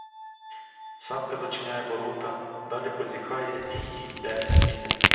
Савка зачиняє ворота, далі позіхає і йде в сіни.